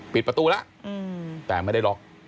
ปิดประตูแล้วแต่ไม่ได้ล็อก